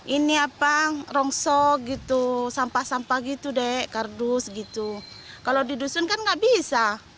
ini apa rongsok gitu sampah sampah gitu dek kardus gitu kalau di dusun kan nggak bisa